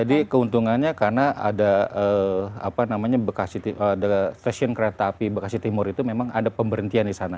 jadi keuntungannya karena ada stasiun kereta api bekasi timur itu memang ada pemberhentian di sana